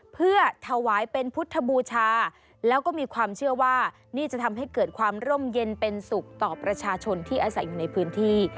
เพื่อถวายเป็นพุทธบูชาแล้วก็มีความเชื่อว่านี่จะทำให้เกิดความร่มเย็นเป็นสุขต่อประชาชนที่อาศัยอยู่ในพื้นที่